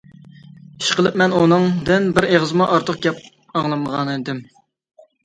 ئىش قىلىپ مەن ئۇنىڭدىن بىر ئېغىزمۇ ئارتۇق گەپ ئاڭلىمىغانىدىم.